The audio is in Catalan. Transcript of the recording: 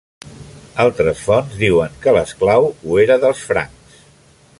Altres fonts diuen que l'esclau ho era dels francs.